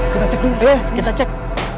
kita cek dulu deh kita cek